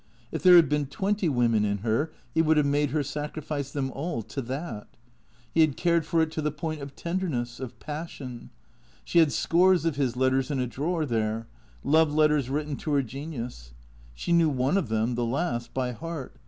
If there had been twenty women in her he would have made her sacri fice them all to that. He had cared for it to the point of ten derness, of passion. She had scores of his letters in a drawer, there; love letters written to her genius. She knew one of them, the last, by heart.